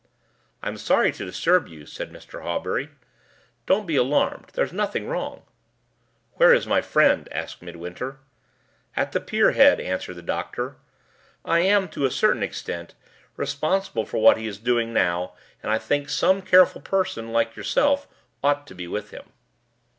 "I am sorry to disturb you," said Mr. Hawbury. "Don't be alarmed; there's nothing wrong." "Where is my friend?" asked Midwinter. "At the pier head," answered the doctor. "I am, to a certain extent, responsible for what he is doing now; and I think some careful person, like yourself, ought to be with him."